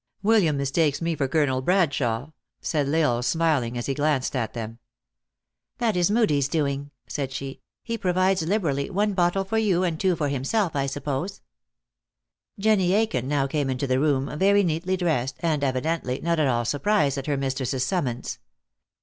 " William mistakes me for Colonel Brahshawe," said L Isle smiling, as he glanced at them. "That is Moodie s doing," said she. " He provides liberally, one bottle for you, and two for himself, I suppose." Jenny Aiken now came into the room, very neatly dressed, and, evidently not at all surprised at her mistress s summons.